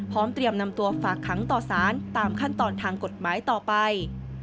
เตรียมนำตัวฝากขังต่อสารตามขั้นตอนทางกฎหมายต่อไป